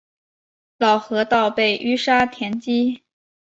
老河道被淤沙填积。